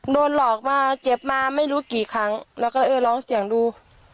โดนหลอกมาเจ็บมาไม่รู้กี่ครั้งแล้วก็เออลองเสี่ยงดู